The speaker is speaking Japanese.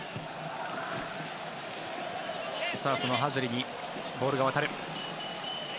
そのハズリにボールが渡る。